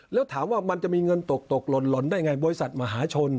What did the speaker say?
แล้วถามว่ามันจะมีเงินตกตกหล่นได้ไงบริษัทมหาชน